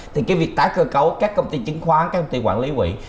thì cái việc tái cơ cấu các công ty chứng khoán các công ty quản lý quỹ